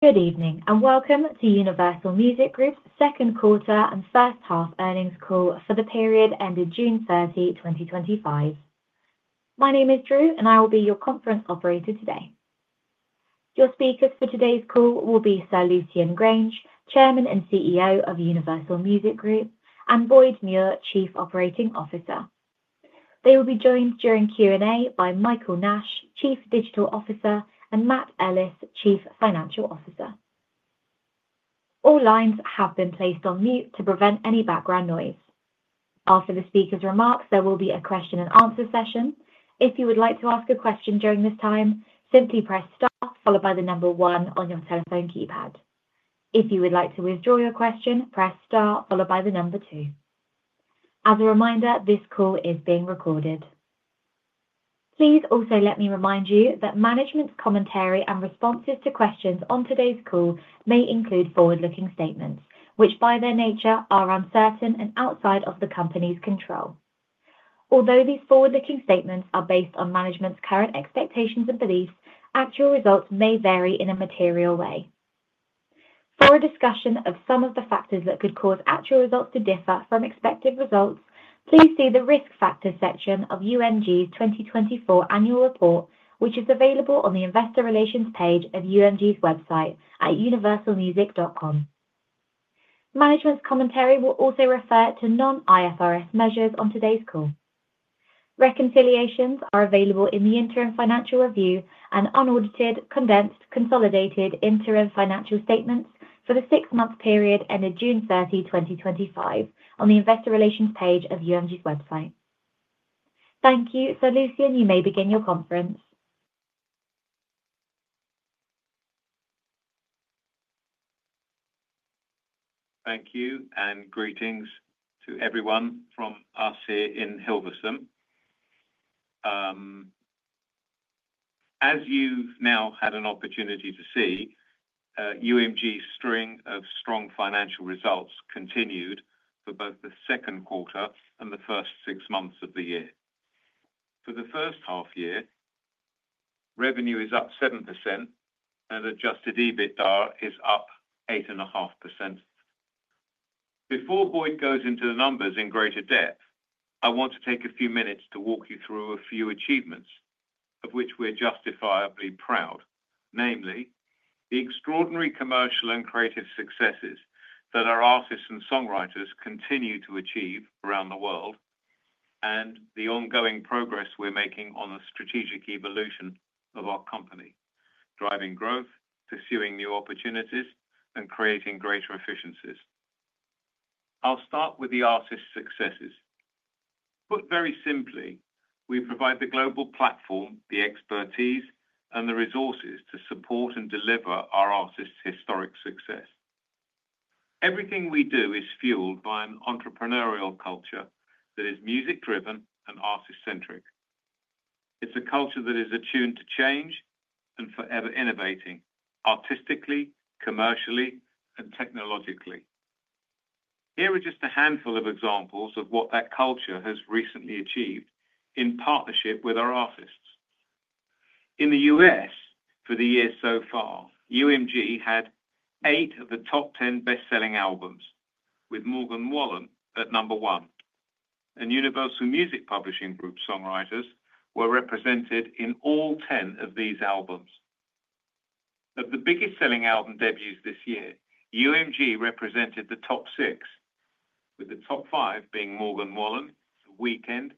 Good evening and welcome to Universal Music Group's Second Quarter and First Half Earnings Call for the Period Ended June 30, 2025. My name is Drew, and I will be your conference operator today. Your speakers for today's call will be Sir Lucian Grainge, Chairman and CEO of Universal Music Group, and Boyd Muir, Chief Operating Officer. They will be joined during Q&A by Michael Nash, Chief Digital Officer, and Matt Ellis, Chief Financial Officer. All lines have been placed on mute to prevent any background noise. After the speakers' remarks, there will be a question-and-answer session. If you would like to ask a question during this time, simply press star followed by the number one on your telephone keypad. If you would like to withdraw your question, press star followed by the number 2. As a reminder, this call is being recorded. Please also let me remind you that management's commentary and responses to questions on today's call may include forward-looking statements, which by their nature are uncertain and outside of the company's control. Although these forward-looking statements are based on management's current expectations and beliefs, actual results may vary in a material way. For a discussion of some of the factors that could cause actual results to differ from expected results, please see the Risk Factors section of UMG's 2024 Annual Report, which is available on the Investor Relations page of UMG's website at universalmusic.com. Management's commentary will also refer to non-IFRS measures on today's call. Reconciliations are available in the Interim Financial Review and unaudited, condensed, consolidated Interim Financial Statements for the six-month period ended June 30, 2025, on the Investor Relations page of UMG's website. Thank you, Sir Lucian. You may begin your conference. Thank you, and greetings to everyone from us here in Hilversum. As you've now had an opportunity to see, UMG's string of strong financial results continued for both the second quarter and the first six months of the year. For the first half year, revenue is up 7%, and adjusted EBITDA is up 8.5%. Before Boyd goes into the numbers in greater depth, I want to take a few minutes to walk you through a few achievements of which we're justifiably proud, namely the extraordinary commercial and creative successes that our artists and songwriters continue to achieve around the world, and the ongoing progress we're making on the strategic evolution of our company, driving growth, pursuing new opportunities, and creating greater efficiencies. I'll start with the artists' successes. Put very simply, we provide the global platform, the expertise, and the resources to support and deliver our artists' historic success. Everything we do is fueled by an entrepreneurial culture that is music-driven and artist-centric. It's a culture that is attuned to change and forever innovating artistically, commercially, and technologically. Here are just a handful of examples of what that culture has recently achieved in partnership with our artists. In the U.S., for the year so far, UMG had eight of the top 10 best-selling albums, with Morgan Wallen at number one, and Universal Music Publishing Group songwriters were represented in all 10 of these albums. Of the biggest-selling album debuts this year, UMG represented the top six, with the top five being Morgan Wallen, The Weeknd,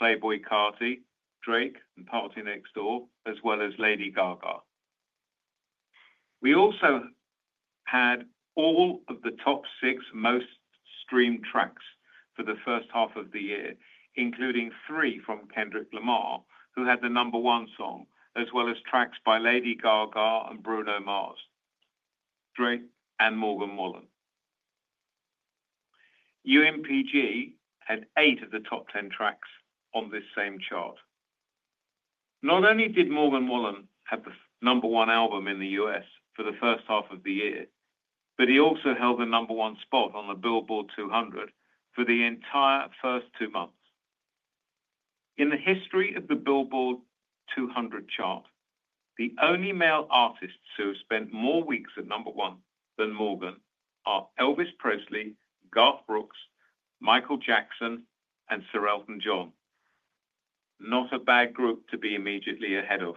Playboi Carti, Drake, and Party Next Door, as well as Lady Gaga. We also had all of the top six most-streamed tracks for the first half of the year, including three from Kendrick Lamar, who had the number one song, as well as tracks by Lady Gaga and Bruno Mars, Drake, and Morgan Wallen. UMPG had eight of the top 10 tracks on this same chart. Not only did Morgan Wallen have the number one album in the U.S. for the first half of the year, but he also held the number one spot on the Billboard 200 for the entire first two months. In the history of the Billboard 200 chart, the only male artists who have spent more weeks at number one than Morgan are Elvis Presley, Garth Brooks, Michael Jackson, and Sir Elton John. Not a bad group to be immediately ahead of.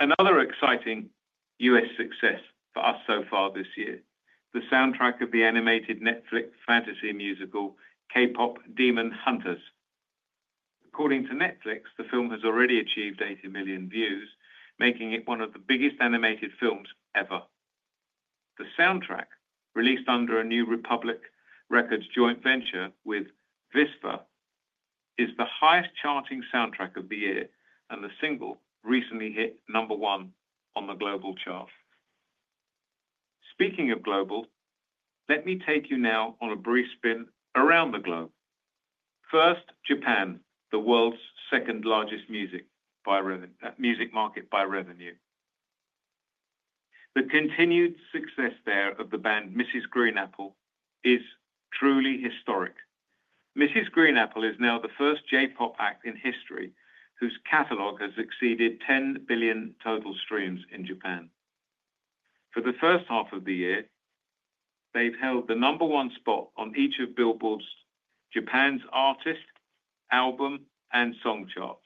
Another exciting US success for us so far this year is the soundtrack of the animated Netflix fantasy musical K-pop Demon Hunters. According to Netflix, the film has already achieved 80 million views, making it one of the biggest animated films ever. The soundtrack, released under a new Republic Records joint venture with Vesper, is the highest-charting soundtrack of the year, and the single recently hit number one on the global chart. Speaking of global, let me take you now on a brief spin around the globe. First, Japan, the world's second-largest music market by revenue. The continued success there of the band Mrs. GREEN APPLE is truly historic. Mrs. GREEN APPLE is now the first J-pop act in history whose catalog has exceeded 10 billion total streams in Japan. For the first half of the year, they've held the number one spot on each of Billboard Japan's Artist, Album, and Song charts.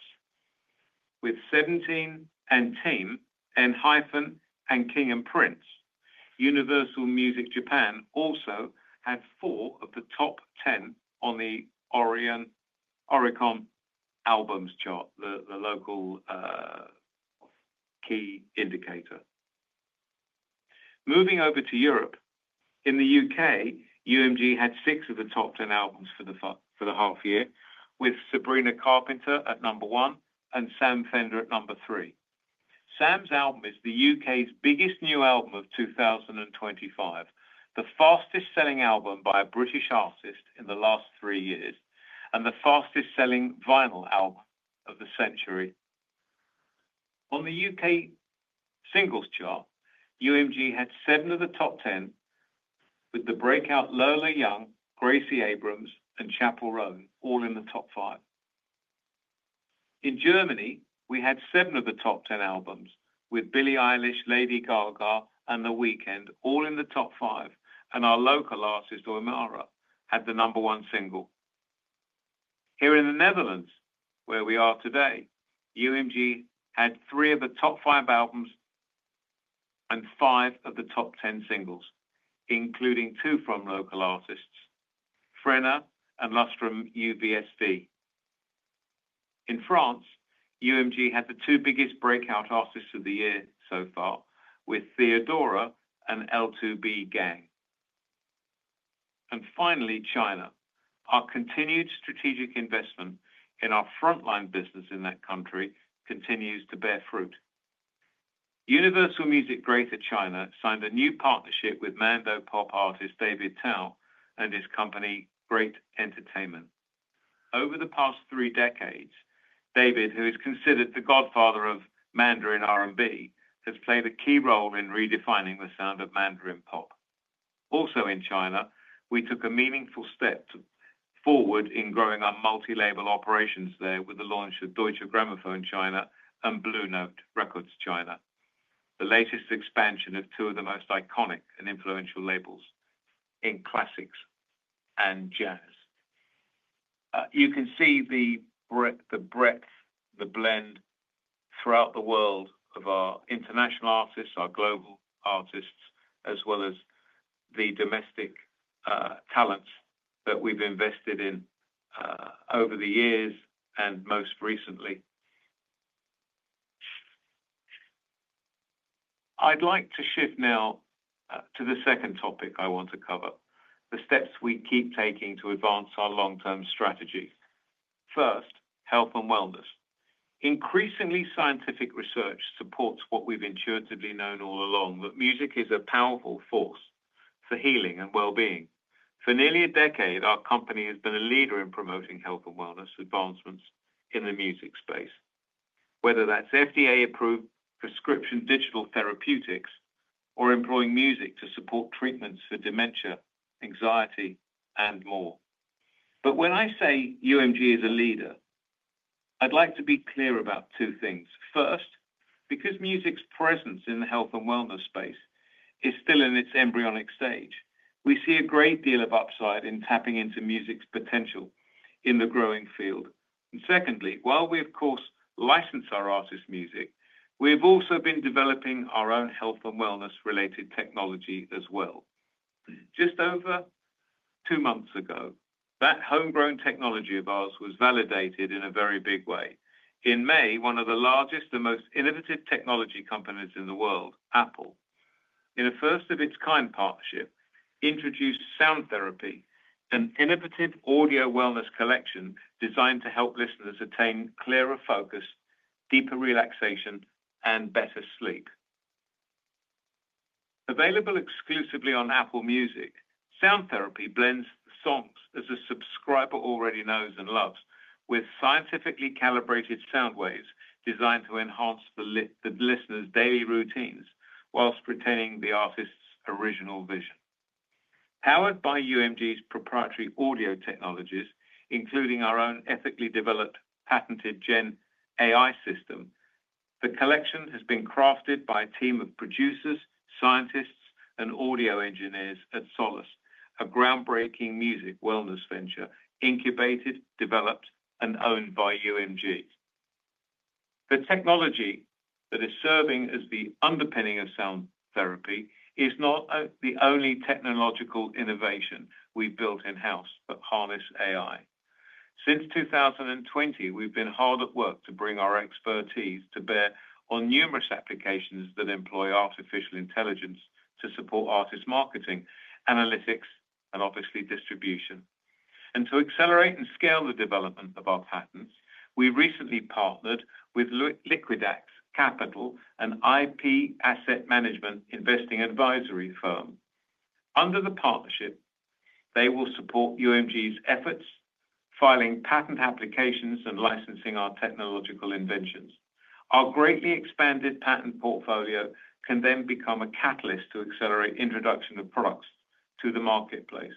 With Seventeen, &TEAM, Hyphen, and King & Prince, Universal Music Japan also had four of the top 10 on the Oricon Albums Chart, the local key indicator. Moving over to Europe, in the U.K., UMG had six of the top 10 albums for the half year, with Sabrina Carpenter at number one and Sam Fender at number three. Sam's album is the U.K.'s biggest new album of 2025, the fastest-selling album by a British artist in the last three years, and the fastest-selling vinyl album of the century. On the U.K. Singles chart, UMG had seven of the top 10, with the breakout Lola Young, Gracie Abrams, and Chappell Roan all in the top five. In Germany, we had seven of the top 10 albums with Billie Eilish, Lady Gaga, and The Weeknd all in the top five, and our local artist Omara had the number one single. Here in the Netherlands, where we are today, UMG had three of the top five albums and five of the top 10 singles, including two from local artists, Frenna and Lust from UBSV. In France, UMG had the two biggest breakout artists of the year so far, with Theodora and L2B Gang. Finally, in China, our continued strategic investment in our frontline business in that country continues to bear fruit. Universal Music Greater China signed a new partnership with Mandopop artist David Tao and his company, Great Entertainment. Over the past three decades, David, who is considered the godfather of Mandarin R&B, has played a key role in redefining the sound of Mandarin pop. Also in China, we took a meaningful step forward in growing our multi-label operations there with the launch of Deutsche Grammophon China and Blue Note Records China, the latest expansion of two of the most iconic and influential labels in classics and jazz. You can see the breadth, the blend throughout the world of our international artists, our global artists, as well as the domestic talents that we've invested in over the years and most recently. I'd like to shift now to the second topic I want to cover, the steps we keep taking to advance our long-term strategy. First, health and wellness. Increasingly, scientific research supports what we've intuitively known all along, that music is a powerful force for healing and well-being. For nearly a decade, our company has been a leader in promoting health and wellness advancements in the music space, whether that's FDA-approved prescription digital therapeutics or employing music to support treatments for dementia, anxiety, and more. When I say UMG is a leader, I'd like to be clear about two things. First, because music's presence in the health and wellness space is still in its embryonic stage, we see a great deal of upside in tapping into music's potential in the growing field. Secondly, while we, of course, license our artist music, we've also been developing our own health and wellness-related technology as well. Just over two months ago, that homegrown technology of ours was validated in a very big way. In May, one of the largest and most innovative technology companies in the world, Apple, in a first-of-its-kind partnership, introduced the Sound Therapy collection, an innovative audio wellness collection designed to help listeners attain clearer focus, deeper relaxation, and better sleep. Available exclusively on Apple Music, the Sound Therapy collection blends songs as a subscriber already knows and loves with scientifically calibrated sound waves designed to enhance the listener's daily routines whilst retaining the artist's original vision. Powered by UMG's proprietary audio technologies, including our own ethically developed patented Gen AI system, the collection has been crafted by a team of producers, scientists, and audio engineers at Solace, a groundbreaking music wellness venture incubated, developed, and owned by UMG. The technology that is serving as the underpinning of the Sound Therapy collection is not the only technological innovation we've built in-house that harnesses AI. Since 2020, we've been hard at work to bring our expertise to bear on numerous applications that employ artificial intelligence to support artist marketing, analytics, and obviously distribution. To accelerate and scale the development of our patents, we recently partnered with Liquidax Capital, an IP asset management investing advisory firm. Under the partnership, they will support UMG's efforts filing patent applications and licensing our technological inventions. Our greatly expanded patent portfolio can then become a catalyst to accelerate the introduction of products to the marketplace.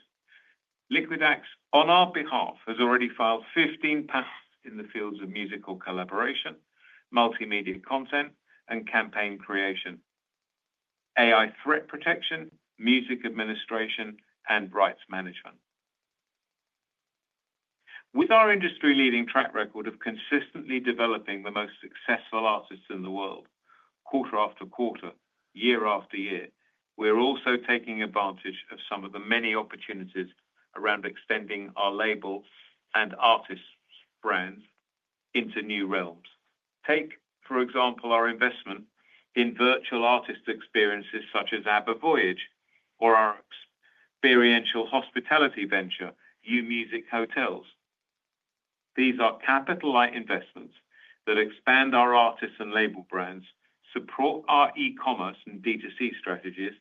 Liquidax, on our behalf, has already filed 15 patents in the fields of musical collaboration, multimedia content, and campaign creation, AI threat protection, music administration, and rights management. With our industry-leading track record of consistently developing the most successful artists in the world, quarter after quarter, year after year, we're also taking advantage of some of the many opportunities around extending our label and artist brands into new realms. Take, for example, our investment in virtual artist experiences such as ABBA Voyage or our experiential hospitality venture, UMusic Hotels. These are capital-light investments that expand our artists and label brands, support our e-commerce and D2C strategies,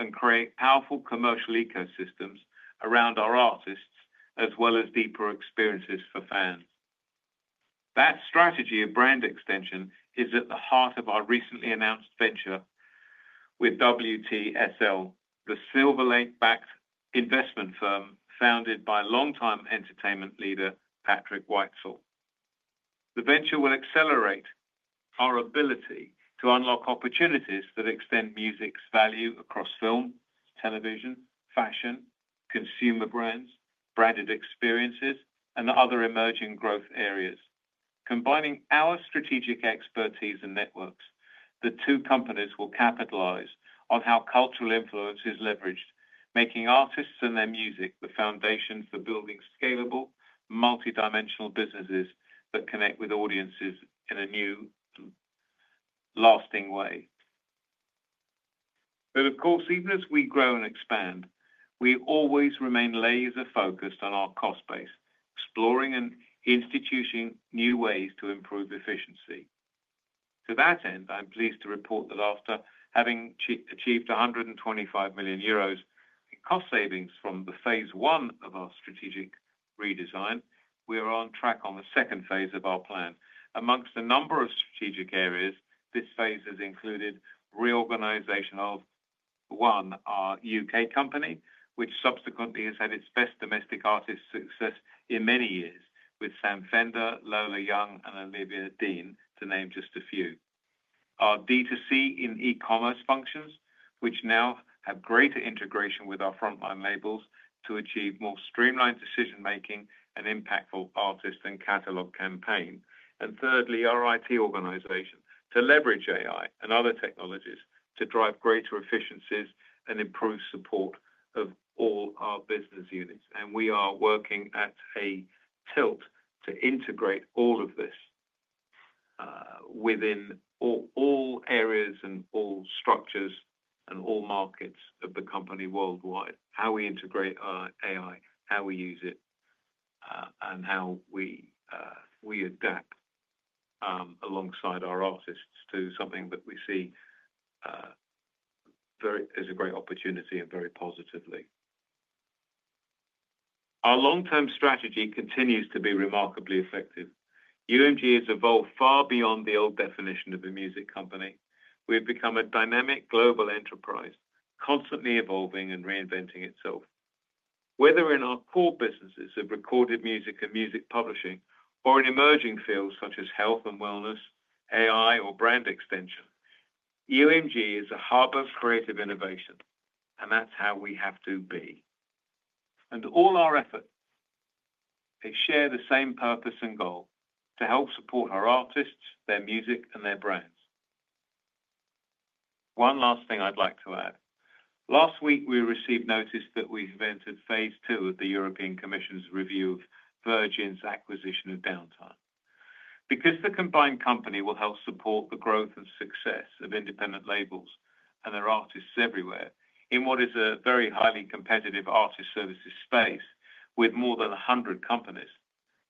and create powerful commercial ecosystems around our artists, as well as deeper experiences for fans. That strategy of brand extension is at the heart of our recently announced venture with WTSL, the Silver Lake-backed investment firm founded by longtime entertainment leader Patrick Weitzel. The venture will accelerate our ability to unlock opportunities that extend music's value across film, television, fashion, consumer brands, branded experiences, and other emerging growth areas. Combining our strategic expertise and networks, the two companies will capitalize on how cultural influence is leveraged, making artists and their music the foundations for building scalable, multidimensional businesses that connect with audiences in a new, lasting way. Of course, even as we grow and expand, we always remain laser-focused on our cost base, exploring and instituting new ways to improve efficiency. To that end, I'm pleased to report that after having achieved €125 million in cost savings from the phase one of our strategic redesign, we are on track on the second phase of our plan. Amongst a number of strategic areas, this phase has included reorganization of our UK company, which subsequently has had its best domestic artist success in many years with Sam Fender, Lola Young, and Olivia Dean, to name just a few. Our D2C and e-commerce functions, which now have greater integration with our frontline labels to achieve more streamlined decision-making and impactful artist and catalog campaign. Thirdly, our IT organization to leverage AI and other technologies to drive greater efficiencies and improve support of all our business units. We are working at a tilt to integrate all of this within all areas and all structures and all markets of the company worldwide, how we integrate our AI, how we use it, and how we adapt alongside our artists to something that we see as a great opportunity and very positively. Our long-term strategy continues to be remarkably effective. UMG has evolved far beyond the old definition of a music company. We have become a dynamic global enterprise, constantly evolving and reinventing itself. Whether in our core businesses of recorded music and music publishing or in emerging fields such as health and wellness, AI, or brand extension, UMG is a hub of creative innovation, and that's how we have to be. All our efforts share the same purpose and goal to help support our artists, their music, and their brands. One last thing I'd like to add. Last week, we received notice that we've entered phase two of the European Commission's review of Virgin's acquisition of Downtown. Because the combined company will help support the growth and success of independent labels and their artists everywhere in what is a very highly competitive artist services space with more than 100 companies,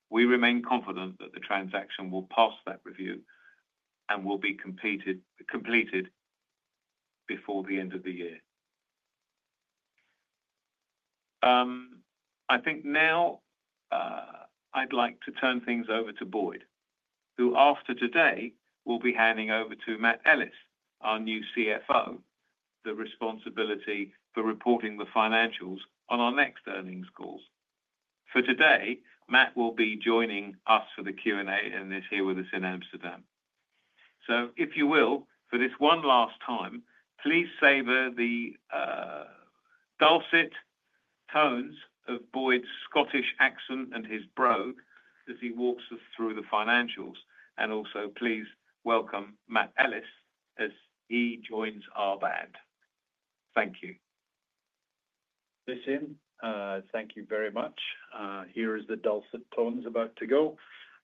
we remain confident that the transaction will pass that review and will be completed before the end of the year. I think now I'd like to turn things over to Boyd, who after today will be handing over to Matt Ellis, our new CFO, the responsibility for reporting the financials on our next earnings calls. For today, Matt will be joining us for the Q&A and is here with us in Amsterdam. If you will, for this one last time, please savor the dulcet tones of Boyd's Scottish accent and his brogue as he walks us through the financials. Also, please welcome Matt Ellis as he joins our band. Thank you. Lucian, thank you very much. Here is the dulcet tones about to go.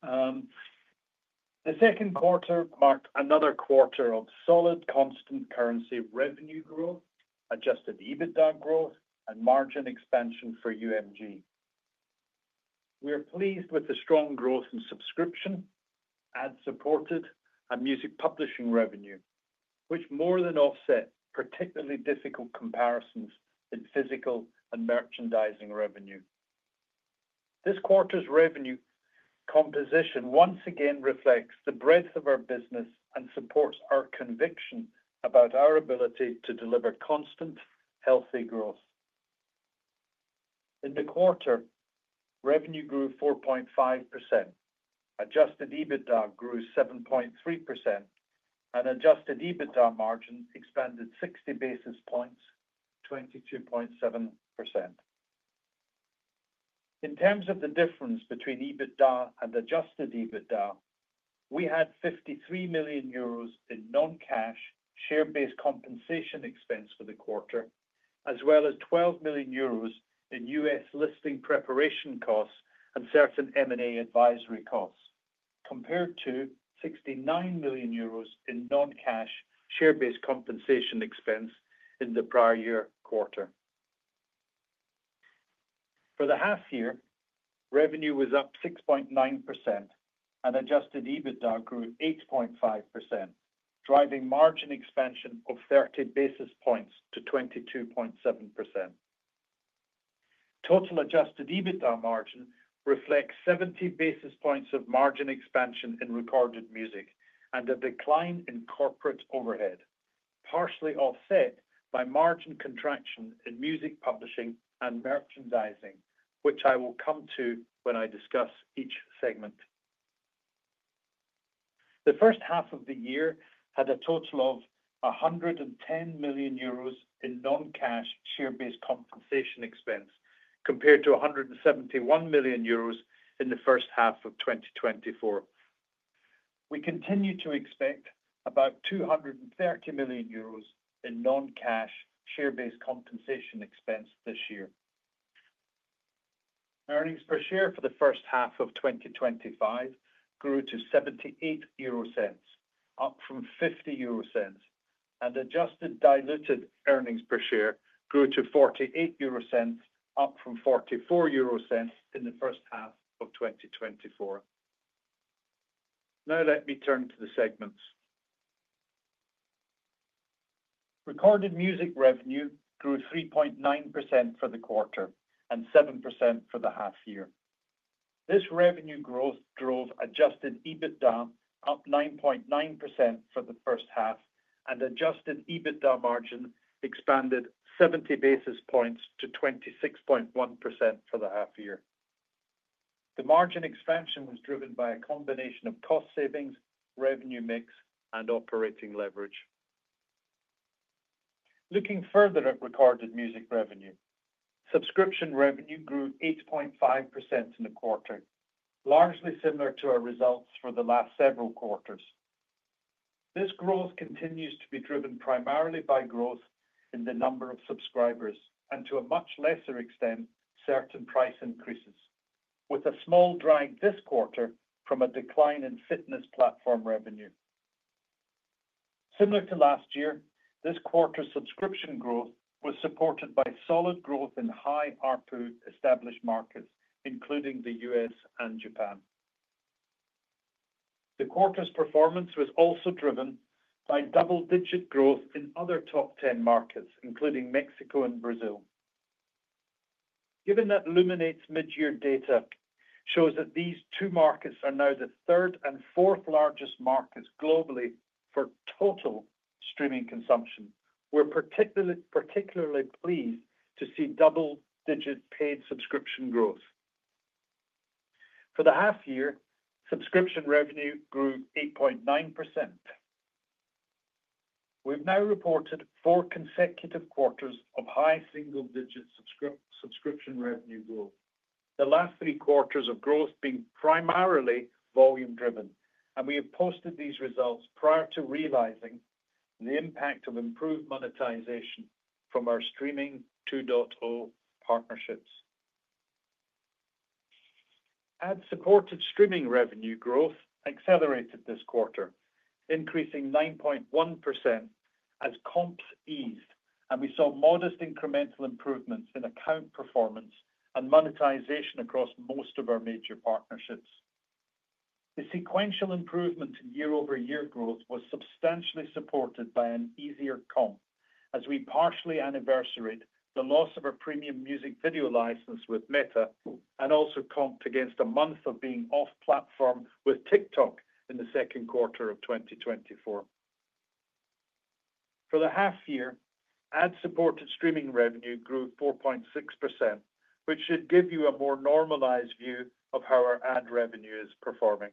The second quarter marked another quarter of solid constant currency revenue growth, adjusted EBITDA growth, and margin expansion for UMG. We are pleased with the strong growth in subscription. Supported music publishing revenue, which more than offsets particularly difficult comparisons in physical and merchandising revenue. This quarter's revenue composition once again reflects the breadth of our business and supports our conviction about our ability to deliver constant, healthy growth. In the quarter, revenue grew 4.5%. Adjusted EBITDA grew 7.3%, and adjusted EBITDA margins expanded 60 basis points to 22.7%. In terms of the difference between EBITDA and adjusted EBITDA, we had €53 million in non-cash share-based compensation expense for the quarter, as well as €12 million in U.S. listing preparation costs and certain M&A advisory costs, compared to €69 million in non-cash share-based compensation expense in the prior year quarter. For the half year, revenue was up 6.9%, and adjusted EBITDA grew 8.5%, driving margin expansion of 30 basis points to 22.7%. Total adjusted EBITDA margin reflects 70 basis points of margin expansion in recorded music and a decline in corporate overhead, partially offset by margin contraction in music publishing and merchandising, which I will come to when I discuss each segment. The first half of the year had a total of €110 million in non-cash share-based compensation expense compared to €171 million in the first half of 2024. We continue to expect about €230 million in non-cash share-based compensation expense this year. Earnings per share for the first half of 2025 grew to €0.78, up from €0.50, and adjusted diluted earnings per share grew to €0.48, up from €0.44 in the first half of 2024. Now let me turn to the segments. Recorded music revenue grew 3.9% for the quarter and 7% for the half year. This revenue growth drove adjusted EBITDA up 9.9% for the first half, and adjusted EBITDA margin expanded 70 basis points to 26.1% for the half year. The margin expansion was driven by a combination of cost savings, revenue mix, and operating leverage. Looking further at recorded music revenue, subscription revenue grew 8.5% in the quarter, largely similar to our results for the last several quarters. This growth continues to be driven primarily by growth in the number of subscribers and, to a much lesser extent, certain price increases, with a small drag this quarter from a decline in fitness platform revenue. Similar to last year, this quarter's subscription growth was supported by solid growth in high RPU established markets, including the U.S. and Japan. The quarter's performance was also driven by double-digit growth in other top 10 markets, including Mexico and Brazil. Given that Luminate's mid-year data shows that these two markets are now the third and fourth largest markets globally for total streaming consumption, we're particularly pleased to see double-digit paid subscription growth. For the half year, subscription revenue grew 8.9%. We've now reported four consecutive quarters of high single-digit subscription revenue growth, the last three quarters of growth being primarily volume-driven. We have posted these results prior to realizing the impact of improved monetization from our Streaming 2.0 partnerships. Ad-supported streaming revenue growth accelerated this quarter, increasing 9.1% as comps eased, and we saw modest incremental improvements in account performance and monetization across most of our major partnerships. The sequential improvement in year-over-year growth was substantially supported by an easier comp as we partially anniversaried the loss of a premium music video license with Meta and also comped against a month of being off-platform with TikTok in the second quarter of 2024. For the half year, ad-supported streaming revenue grew 4.6%, which should give you a more normalized view of how our ad revenue is performing.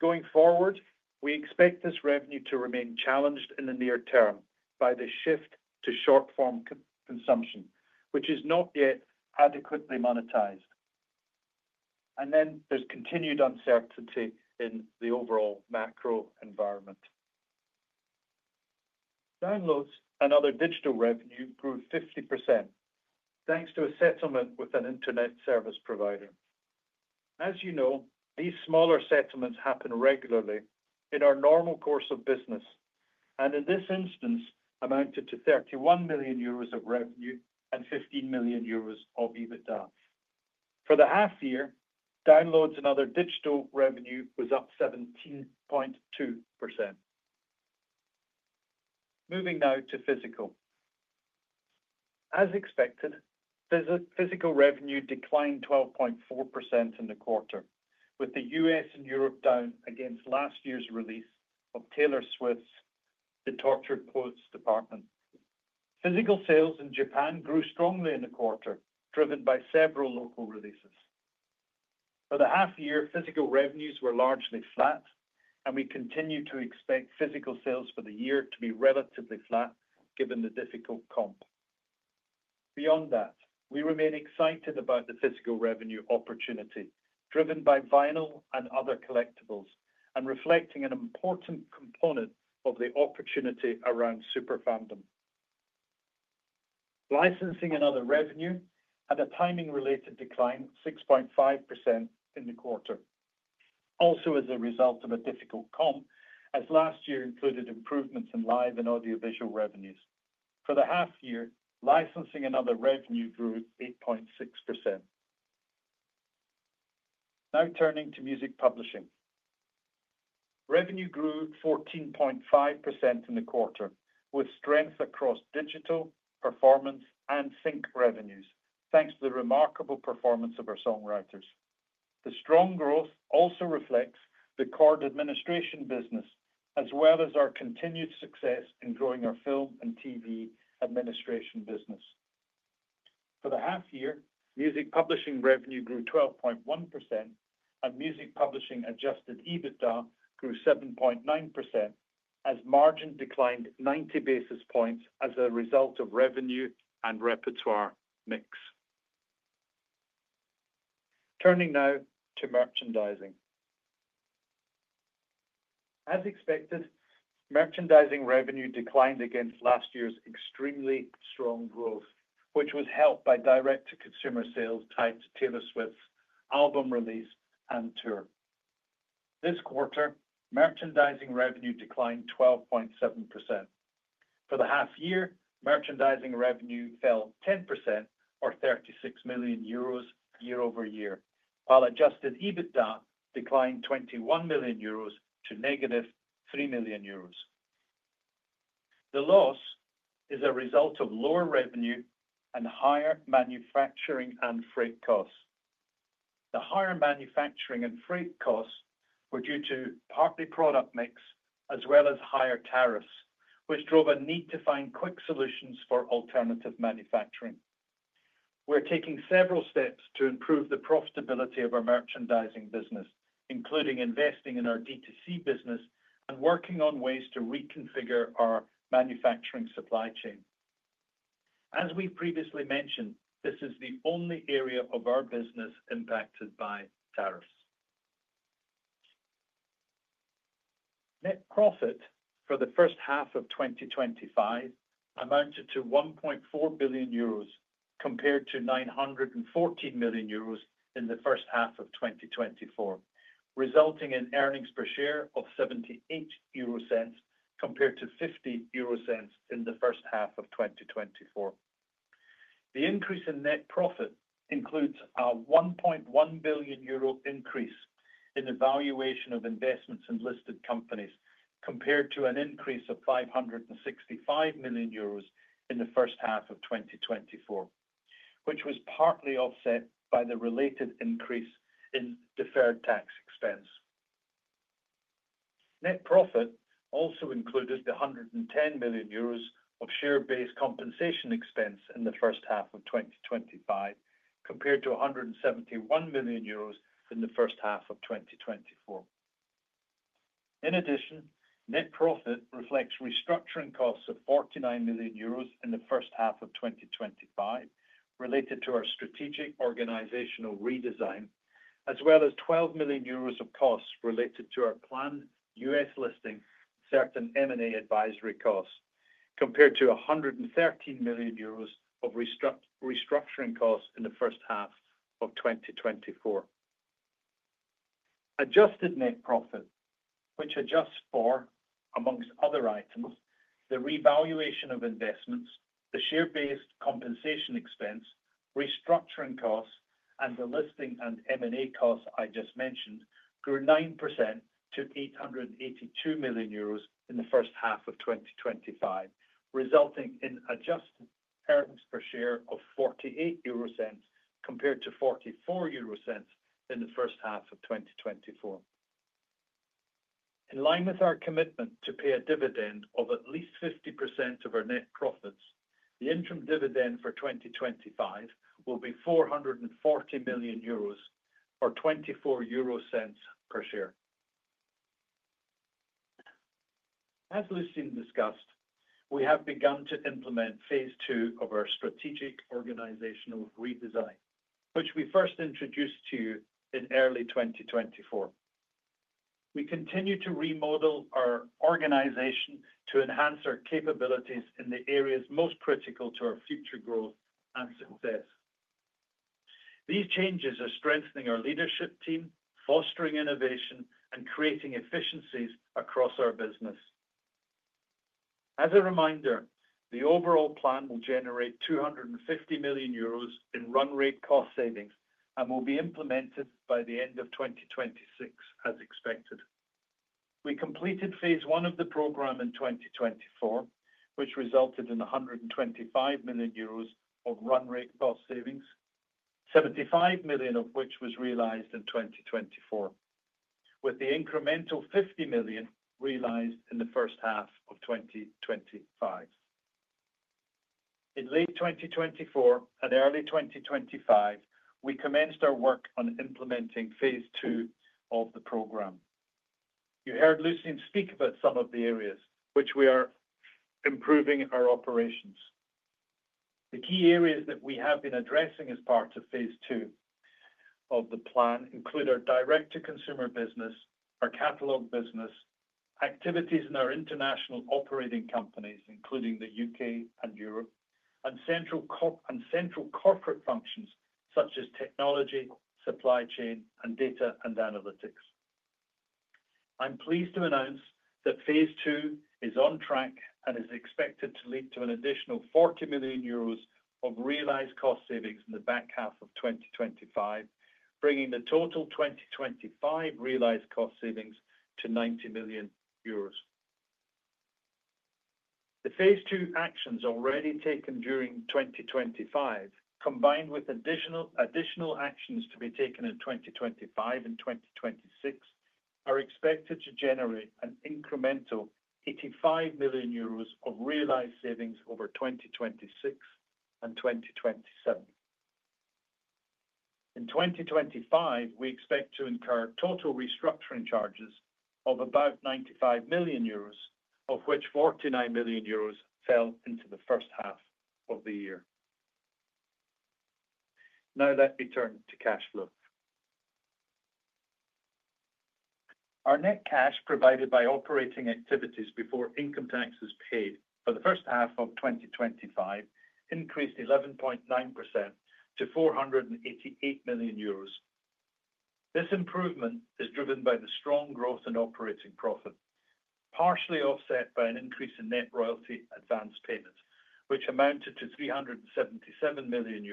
Going forward, we expect this revenue to remain challenged in the near term by the shift to short-form consumption, which is not yet adequately monetized. There is continued uncertainty in the overall macro environment. Downloads and other digital revenue grew 50% thanks to a settlement with an internet service provider. As you know, these smaller settlements happen regularly in our normal course of business. In this instance, it amounted to €31 million of revenue and €15 million of EBITDA. For the half year, downloads and other digital revenue was up 17.2%. Moving now to physical. As expected, physical revenue declined 12.4% in the quarter, with the U.S. and Europe down against last year's release of Taylor Swift's The Tortured Poets Department. Physical sales in Japan grew strongly in the quarter, driven by several local releases. For the half year, physical revenues were largely flat, and we continue to expect physical sales for the year to be relatively flat given the difficult comp. Beyond that, we remain excited about the physical revenue opportunity driven by vinyl and other collectibles, reflecting an important component of the opportunity around super fandom. Licensing and other revenue had a timing-related decline of 6.5% in the quarter, also as a result of a difficult comp, as last year included improvements in live and audiovisual revenues. For the half year, licensing and other revenue grew 8.6%. Now turning to music publishing, revenue grew 14.5% in the quarter, with strength across digital, performance, and sync revenues, thanks to the remarkable performance of our songwriters. The strong growth also reflects the card administration business, as well as our continued success in growing our film and TV administration business. For the half year, music publishing revenue grew 12.1%, and music publishing adjusted EBITDA grew 7.9% as margin declined 90 basis points as a result of revenue and repertoire mix. Turning now to merchandising, as expected, merchandising revenue declined against last year's extremely strong growth, which was helped by direct-to-consumer sales tied to Taylor Swift's album release and tour. This quarter, merchandising revenue declined 12.7%. For the half year, merchandising revenue fell 10%, or €36 million year-over-year, while adjusted EBITDA declined €21 million to negative €3 million. The loss is a result of lower revenue and higher manufacturing and freight costs. The higher manufacturing and freight costs were due partly to product mix, as well as higher tariffs, which drove a need to find quick solutions for alternative manufacturing. We're taking several steps to improve the profitability of our merchandising business, including investing in our D2C business and working on ways to reconfigure our manufacturing supply chain. As we've previously mentioned, this is the only area of our business impacted by tariffs. Net profit for the first half of 2025 amounted to €1.4 billion, compared to €914 million in the first half of 2024, resulting in earnings per share of €0.78, compared to €0.50 in the first half of 2024. The increase in net profit includes a €1.1 billion increase in the valuation of investments in listed companies, compared to an increase of €565 million in the first half of 2024, which was partly offset by the related increase in deferred tax expense. Net profit also included the €110 million of share-based compensation expense in the first half of 2025, compared to €171 million in the first half of 2024. In addition, net profit reflects restructuring costs of €49 million in the first half of 2025, related to our strategic organizational redesign, as well as €12 million of costs related to our planned U.S. listing, certain M&A advisory costs, compared to €113 million of restructuring costs in the first half of 2024. Adjusted net profit, which adjusts for, amongst other items, the revaluation of investments, the share-based compensation expense, restructuring costs, and the listing and M&A costs I just mentioned, grew 9% to €882 million in the first half of 2025, resulting in adjusted earnings per share of €0.48 compared to €0.44 in the first half of 2024. In line with our commitment to pay a dividend of at least 50% of our net profits, the interim dividend for 2025 will be €440 million, or €0.24 per share. As we've seen discussed, we have begun to implement phase two of our strategic organizational redesign, which we first introduced to you in early 2024. We continue to remodel our organization to enhance our capabilities in the areas most critical to our future growth and success. These changes are strengthening our leadership team, fostering innovation, and creating efficiencies across our business. As a reminder, the overall plan will generate €250 million in run-rate cost savings and will be implemented by the end of 2026, as expected. We completed phase one of the program in 2024, which resulted in €125 million of run-rate cost savings, €75 million of which was realized in 2024, with the incremental €50 million realized in the first half of 2025. In late 2024 and early 2025, we commenced our work on implementing phase two of the program. You heard Sir Lucian Grainge speak about some of the areas which we are improving our operations. The key areas that we have been addressing as part of phase two of the plan include our direct-to-consumer business, our catalog business, activities in our international operating companies, including the U.K. and Europe, and central corporate functions such as technology, supply chain, and data and analytics. I'm pleased to announce that phase two is on track and is expected to lead to an additional €40 million of realized cost savings in the back half of 2025, bringing the total 2025 realized cost savings to €90 million. The phase two actions already taken during 2025, combined with additional actions to be taken in 2025 and 2026, are expected to generate an incremental €85 million of realized savings over 2026 and 2027. In 2025, we expect to incur total restructuring charges of about €95 million, of which €49 million fell into the first half of the year. Now let me turn to cash flow. Our net cash provided by operating activities before income taxes paid for the first half of 2025 increased 11.9% to €488 million. This improvement is driven by the strong growth in operating profit, partially offset by an increase in net royalty advance payments, which amounted to €377 million,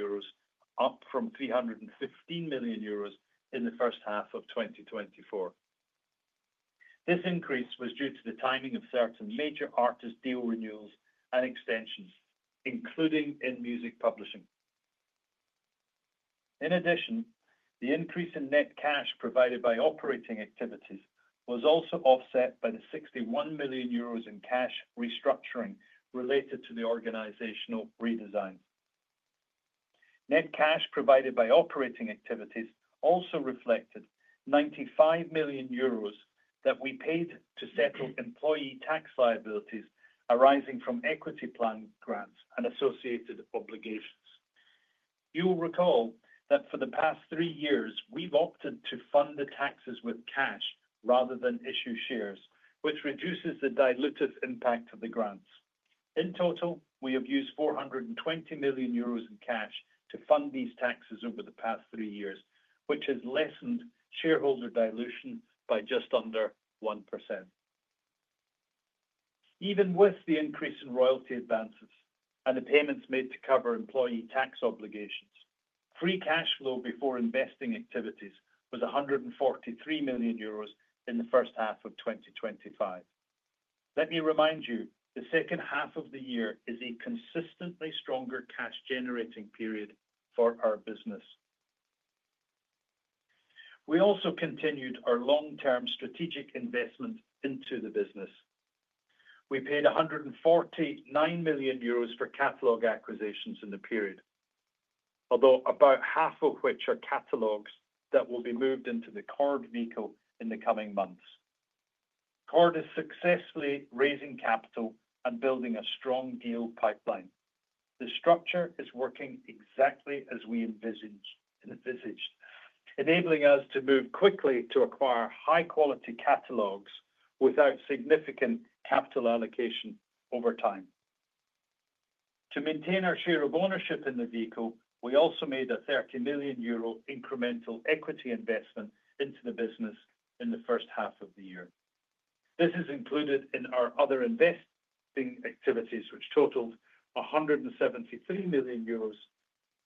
up from €315 million in the first half of 2024. This increase was due to the timing of certain major artist deal renewals and extensions, including in music publishing. In addition, the increase in net cash provided by operating activities was also offset by the €61 million in cash restructuring related to the organizational redesigns. Net cash provided by operating activities also reflected €95 million that we paid to settle employee tax liabilities arising from equity plan grants and associated obligations. You'll recall that for the past three years, we've opted to fund the taxes with cash rather than issue shares, which reduces the dilutive impact of the grants. In total, we have used €420 million in cash to fund these taxes over the past three years, which has lessened shareholder dilution by just under 1%. Even with the increase in royalty advances and the payments made to cover employee tax obligations, free cash flow before investing activities was €143 million in the first half of 2025. Let me remind you, the second half of the year is a consistently stronger cash-generating period for our business. We also continued our long-term strategic investment into the business. We paid €149 million for catalog acquisitions in the period, although about half of which are catalogs that will be moved into the Cord vehicle in the coming months. Cord is successfully raising capital and building a strong deal pipeline. The structure is working exactly as we envisaged, enabling us to move quickly to acquire high-quality catalogs without significant capital allocation over time. To maintain our share of ownership in the vehicle, we also made a €30 million incremental equity investment into the business in the first half of the year. This is included in our other investing activities, which totaled €173 million,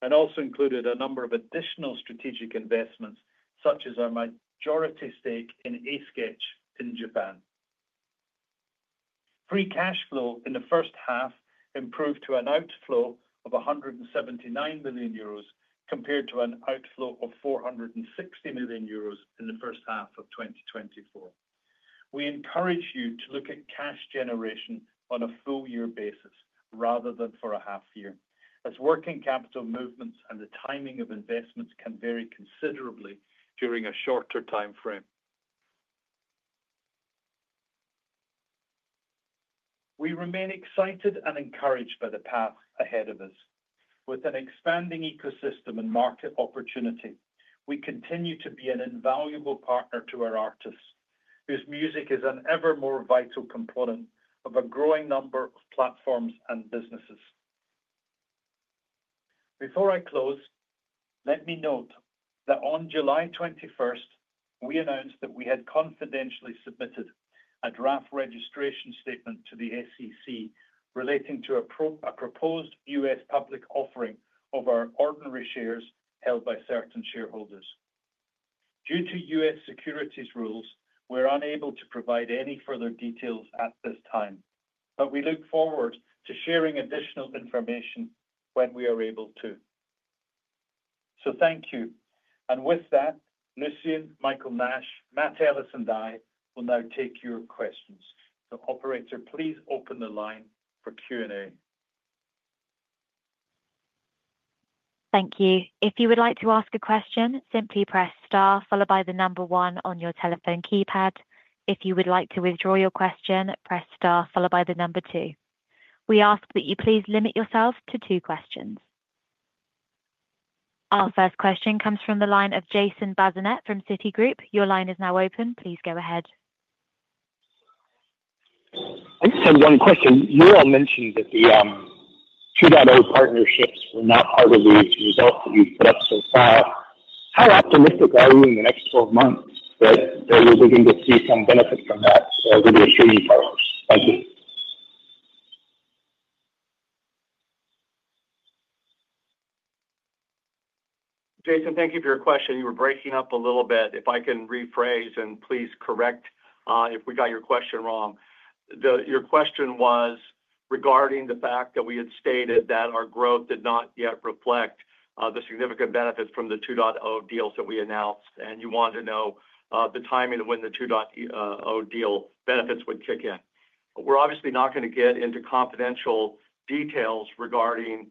and also included a number of additional strategic investments, such as our majority stake in A-Sketch in Japan. Free cash flow in the first half improved to an outflow of €179 million, compared to an outflow of €460 million in the first half of 2024. We encourage you to look at cash generation on a full-year basis rather than for a half year, as working capital movements and the timing of investments can vary considerably during a shorter time frame. We remain excited and encouraged by the path ahead of us. With an expanding ecosystem and market opportunity, we continue to be an invaluable partner to our artists, whose music is an ever more vital component of a growing number of platforms and businesses. Before I close, let me note that on July 21, we announced that we had confidentially submitted a draft registration statement to the SEC relating to a proposed U.S. public offering of our ordinary shares held by certain shareholders. Due to U.S. securities rules, we're unable to provide any further details at this time, but we look forward to sharing additional information when we are able to. Thank you. With that, Sir Lucian Grainge, Michael Nash, Matt Ellis, and I will now take your questions. Operator, please open the line for Q&A. Thank you. If you would like to ask a question, simply press star followed by the number one on your telephone keypad. If you would like to withdraw your question, press star followed by the number two. We ask that you please limit yourself to two questions. Our first question comes from the line of Jason Bazinet from Citigroup. Your line is now open. Please go ahead. I just have one question. You all mentioned that the 2.0 partnerships were not part of the results that you've put up so far. How optimistic are you in the next 12 months that you're looking to see some benefit from that? What are your feelings? Thank you. Jason, thank you for your question. You were breaking up a little bit. If I can rephrase and please correct if we got your question wrong. Your question was regarding the fact that we had stated that our growth did not yet reflect the significant benefits from the 2.0 deals that we announced, and you wanted to know the timing of when the 2.0 deal benefits would kick in. We're obviously not going to get into confidential details regarding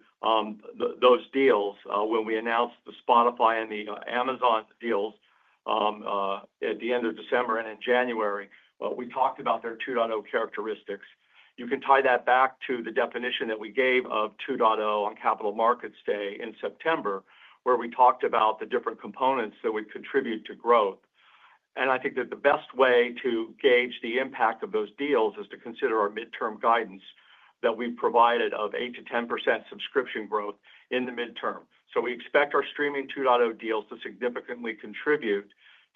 those deals when we announced the Spotify and the Amazon Music deals. At the end of December and in January, we talked about their 2.0 characteristics. You can tie that back to the definition that we gave of 2.0 on Capital Markets Day in September, where we talked about the different components that would contribute to growth. I think that the best way to gauge the impact of those deals is to consider our midterm guidance that we've provided of 8% to 10% subscription growth in the midterm. We expect our Streaming 2.0 deals to significantly contribute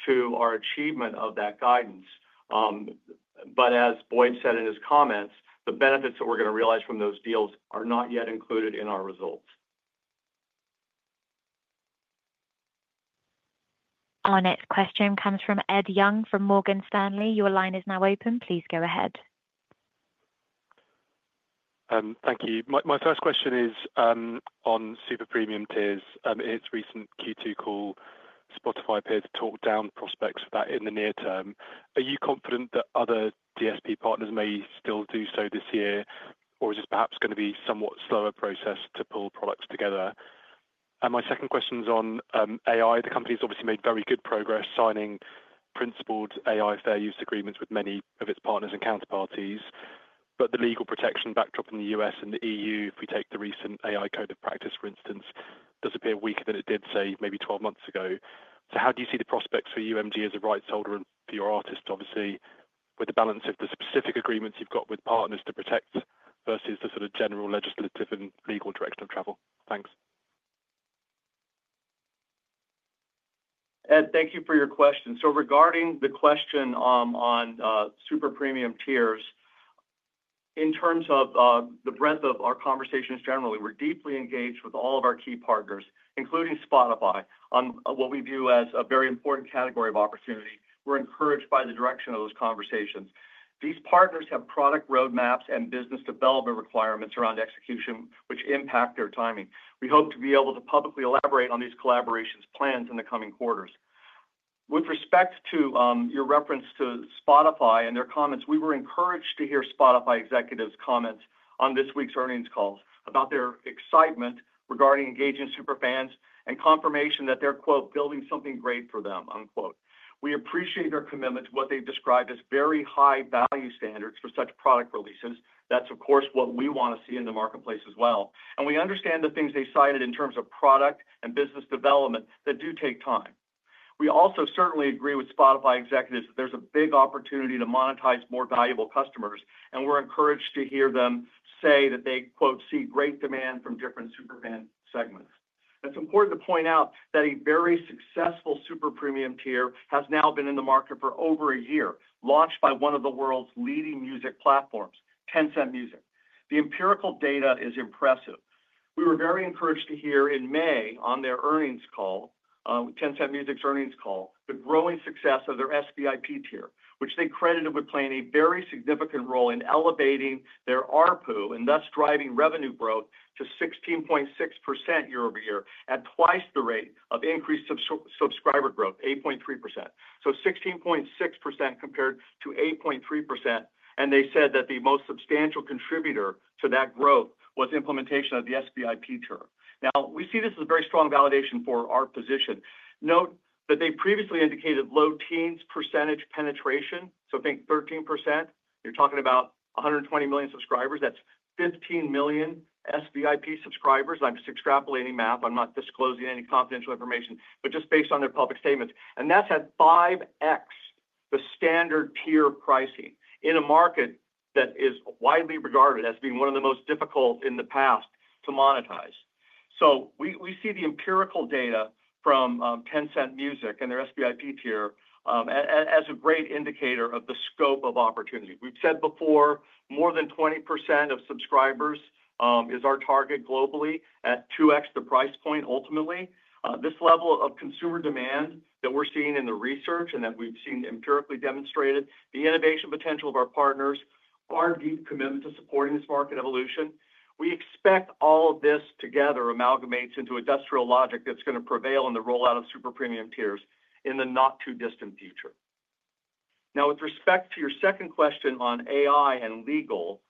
to our achievement of that guidance. As Boyd said in his comments, the benefits that we're going to realize from those deals are not yet included in our results. Our next question comes from Ed Young from Morgan Stanley. Your line is now open. Please go ahead. Thank you. My first question is on Super Premium tiers. In its recent Q2 call, Spotify peers talked down prospects for that in the near term. Are you confident that other digital service provider partners may still do so this year, or is this perhaps going to be a somewhat slower process to pull products together? My second question is on AI. The company has obviously made very good progress signing principled AI fair use agreements with many of its partners and counterparties, but the legal protection backdrop in the U.S. and the EU, if we take the recent AI code of practice, for instance, does appear weaker than it did, say, maybe 12 months ago. How do you see the prospects for UMG as a rights holder for your artists, obviously, with the balance of the specific agreements you've got with partners to protect versus the sort of general legislative and legal direction of travel? Thanks. Ed, thank you for your question. Regarding the question on Super Premium tiers, in terms of the breadth of our conversations generally, we're deeply engaged with all of our key partners, including Spotify, on what we view as a very important category of opportunity. We're encouraged by the direction of those conversations. These partners have product roadmaps and business development requirements around execution, which impact their timing. We hope to be able to publicly elaborate on these collaborations' plans in the coming quarters. With respect to your reference to Spotify and their comments, we were encouraged to hear Spotify executives' comments on this week's earnings calls about their excitement regarding engaging super fans and confirmation that they're "building something great for them." We appreciate their commitment to what they've described as very high value standards for such product releases. That is, of course, what we want to see in the marketplace as well. We understand the things they cited in terms of product and business development that do take time. We also certainly agree with Spotify executives that there's a big opportunity to monetize more valuable customers, and we're encouraged to hear them say that they "see great demand from different super fan segments." It's important to point out that a very successful super premium tier has now been in the market for over a year, launched by one of the world's leading music platforms, Tencent Music. The empirical data is impressive. We were very encouraged to hear in May on their earnings call, Tencent Music's earnings call, the growing success of their SVIP tier, which they credited with playing a very significant role in elevating their ARPU and thus driving revenue growth to 16.6% year over year at twice the rate of increased subscriber growth, 8.3%. So 16.6% compared to 8.3%. They said that the most substantial contributor to that growth was implementation of the SVIP tier. We see this as a very strong validation for our position. Note that they previously indicated low teens percentage penetration, so I think 13%. You're talking about 120 million subscribers. That's 15 million SVIP subscribers. I'm just extrapolating math. I'm not disclosing any confidential information, but just based on their public statements. That's at 5X the standard tier pricing in a market that is widely regarded as being one of the most difficult in the past to monetize. We see the empirical data from Tencent Music and their SVIP tier as a great indicator of the scope of opportunity. We've said before, more than 20% of subscribers is our target globally at 2X the price point ultimately. This level of consumer demand that we're seeing in the research and that we've seen empirically demonstrated, the innovation potential of our partners, our deep commitment to supporting this market evolution. We expect all of this together amalgamates into industrial logic that's going to prevail in the rollout of super premium tiers in the not too distant future. Now, with respect to your second question on AI and legal,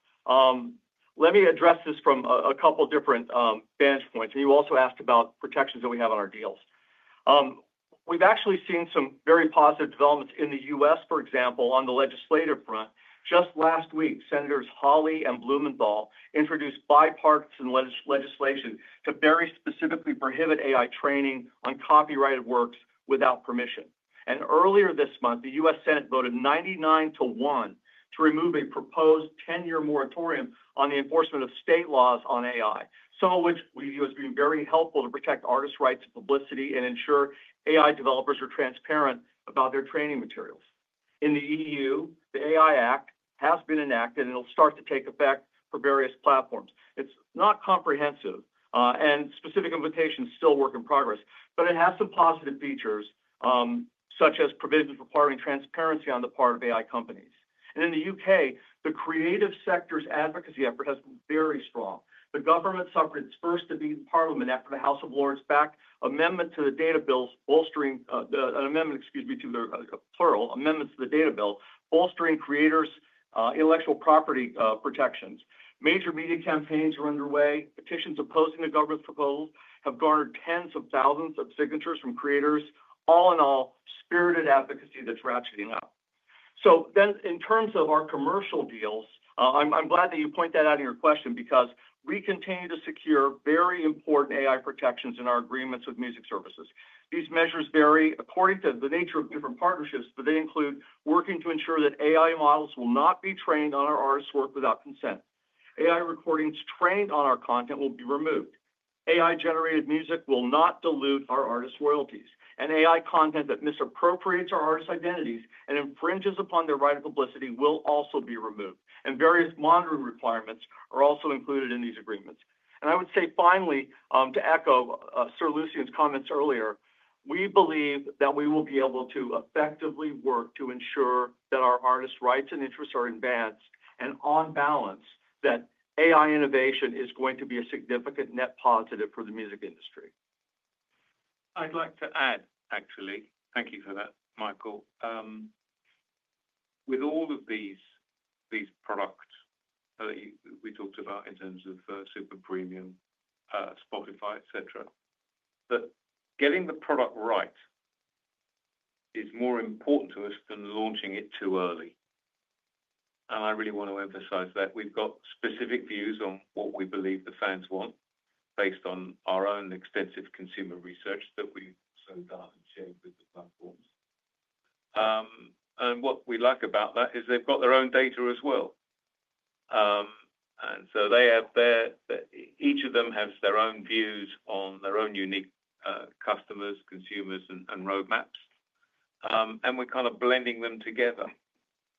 let me address this from a couple of different vantage points. You also asked about protections that we have on our deals. We've actually seen some very positive developments in the U.S., for example, on the legislative front. Just last week, Senators Hawley and Blumenthal introduced bipartisan legislation to very specifically prohibit AI training on copyrighted works without permission. Earlier this month, the U.S. Senate voted 99 to 1 to remove a proposed 10-year moratorium on the enforcement of state laws on AI, some of which we view as being very helpful to protect artists' rights and publicity and ensure AI developers are transparent about their training materials. In the EU, the AI Act has been enacted, and it'll start to take effect for various platforms. It's not comprehensive, and specific invitations are still a work in progress, but it has some positive features, such as provisions requiring transparency on the part of AI companies. In the U.K., the creative sector's advocacy effort has been very strong. The government suffered its first debate in Parliament after the House of Lords backed amendments to the data bill, bolstering creators' intellectual property protections. Major media campaigns are underway. Petitions opposing the government's proposals have garnered tens of thousands of signatures from creators. All in all, spirited advocacy that's ratcheting up. In terms of our commercial deals, I'm glad that you point that out in your question because we continue to secure very important AI protections in our agreements with music services. These measures vary according to the nature of different partnerships, but they include working to ensure that AI models will not be trained on our artists' work without consent. AI recordings trained on our content will be removed. AI-generated music will not dilute our artists' royalties. AI content that misappropriates our artists' identities and infringes upon their right of publicity will also be removed. Various monitoring requirements are also included in these agreements. I would say, finally, to echo Sir Lucian's comments earlier, we believe that we will be able to effectively work to ensure that our artists' rights and interests are advanced and on balance that AI innovation is going to be a significant net positive for the music industry. I'd like to add, actually, thank you for that, Michael. With all of these products that we talked about in terms of super premium, Spotify, etc., getting the product right is more important to us than launching it too early. I really want to emphasize that we've got specific views on what we believe the fans want based on our own extensive consumer research that we've done and shared with the platforms. What we like about that is they've got their own data as well. Each of them has their own views on their own unique customers, consumers, and roadmaps. We're kind of blending them together.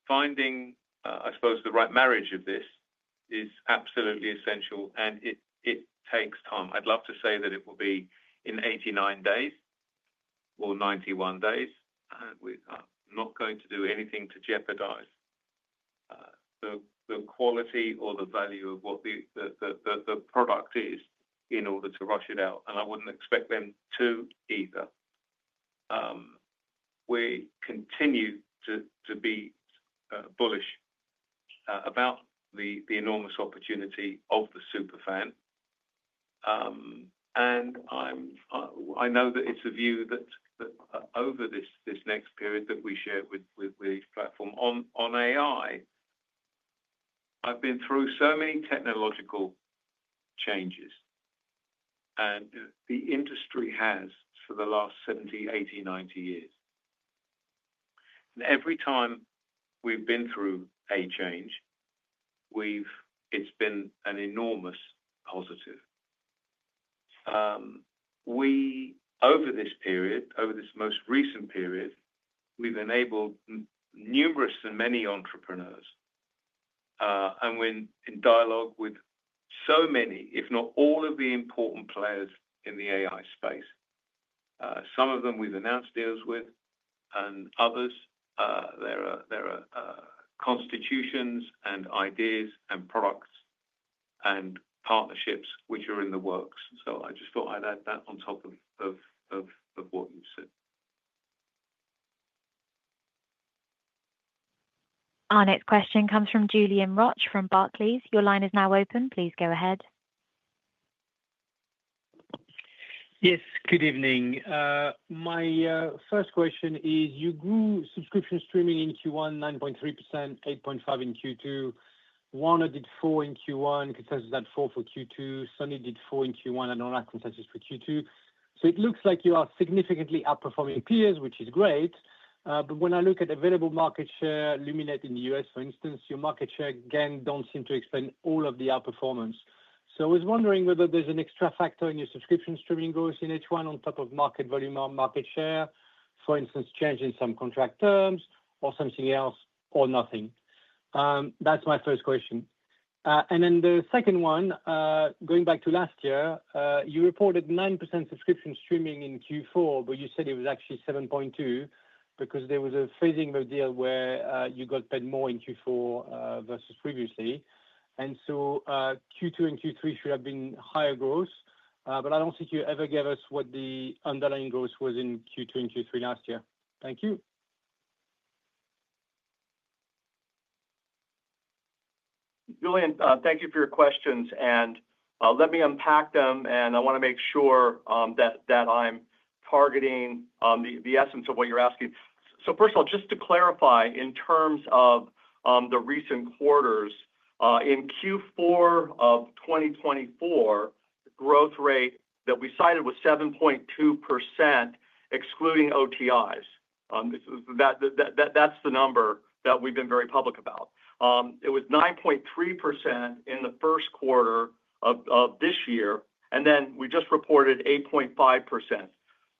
Finding, I suppose, the right marriage of this is absolutely essential, and it takes time. I'd love to say that it will be in 89 days or 91 days. We are not going to do anything to jeopardize the quality or the value of what the product is in order to rush it out. I wouldn't expect them to either. We continue to be bullish about the enormous opportunity of the super fan. I know that it's a view that over this next period that we share with each platform. On AI, I've been through so many technological changes, and the industry has for the last 70, 80, 90 years. Every time we've been through a change, it's been an enormous positive. Over this period, over this most recent period, we've enabled numerous and many entrepreneurs. We're in dialogue with so many, if not all of the important players in the AI space. Some of them we've announced deals with, and others, there are constitutions and ideas and products and partnerships which are in the works. I just thought I'd add that on top of what you've said. Our next question comes from Julien Roch from Barclays. Your line is now open. Please go ahead. Yes, good evening. My first question is, you grew subscription streaming in Q1, 9.3%, 8.5% in Q2. Warner did 4% in Q1. Consensus at 4% for Q2. Sony did 4% in Q1 and all that consensus for Q2. It looks like you are significantly outperforming peers, which is great. When I look at available market share, Luminate in the U.S., for instance, your market share again don't seem to explain all of the outperformance. I was wondering whether there's an extra factor in your subscription streaming growth in H1 on top of market volume or market share, for instance, changing some contract terms or something else or nothing. That's my first question. The second one, going back to last year, you reported 9% subscription streaming in Q4, but you said it was actually 7.2% because there was a phasing of deal where you got paid more in Q4 versus previously. Q2 and Q3 should have been higher growth, but I don't think you ever gave us what the underlying growth was in Q2 and Q3 last year. Thank you. Julian, thank you for your questions. Let me unpack them, and I want to make sure that I'm targeting the essence of what you're asking. First of all, just to clarify in terms of the recent quarters, in Q4 of 2024, the growth rate that we cited was 7.2%. Excluding OTIs, that's the number that we've been very public about. It was 9.3% in the first quarter of this year, and then we just reported 8.5%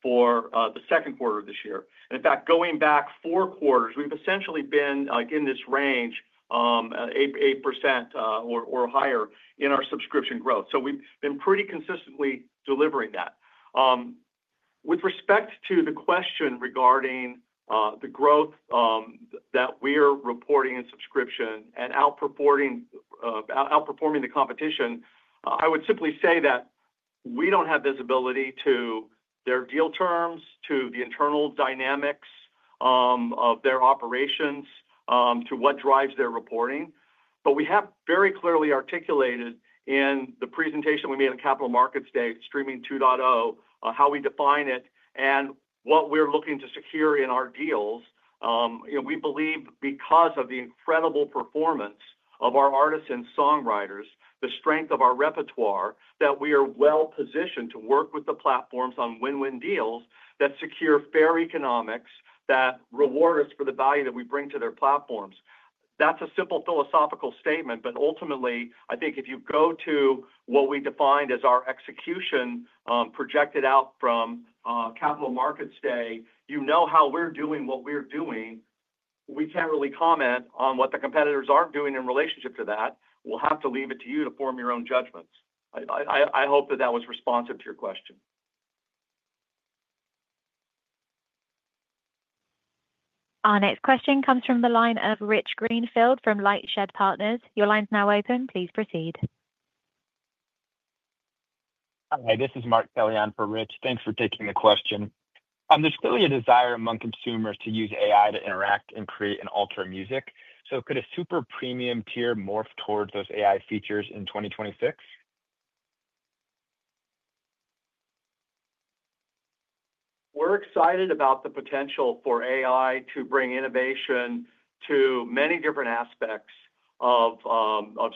for the second quarter of this year. In fact, going back four quarters, we've essentially been in this range, 8% or higher in our subscription growth. We've been pretty consistently delivering that. With respect to the question regarding the growth that we're reporting in subscription and outperforming the competition, I would simply say that we don't have visibility to their deal terms, to the internal dynamics of their operations, to what drives their reporting. We have very clearly articulated in the presentation we made on Capital Markets Day Streaming 2.0 how we define it and what we're looking to secure in our deals. We believe because of the incredible performance of our artists and songwriters, the strength of our repertoire, that we are well positioned to work with the platforms on win-win deals that secure fair economics that reward us for the value that we bring to their platforms. That's a simple philosophical statement, but ultimately, I think if you go to what we defined as our execution projected out from Capital Markets Day, you know how we're doing what we're doing. We can't really comment on what the competitors aren't doing in relationship to that. We'll have to leave it to you to form your own judgments. I hope that that was responsive to your question. Our next question comes from the line of Rich Greenfield from Lightshed Partners. Your line's now open. Please proceed. Hi, this is Mark Kelley on for Rich. Thanks for taking the question. There's clearly a desire among consumers to use AI to interact and create and alter music. Could a super premium tier morph towards those AI features in 2026? We're excited about the potential for AI to bring innovation to many different aspects of